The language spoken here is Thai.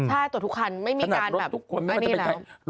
ใช่ตรวจทุกคันไม่มีการแบบอันนี้แล้วถนัดรถทุกคนไม่ว่าจะเป็นใคร